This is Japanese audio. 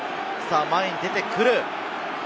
前に出てくる！